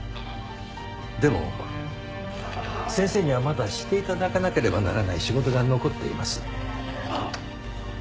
でも先生にはまだして頂かなければならない仕事が残っています。